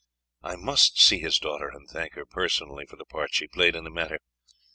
I must see his daughter and thank her personally for the part she played in the matter.